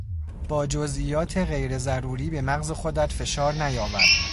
با جزئیات غیر ضروری به مغز خودت فشار نیاور.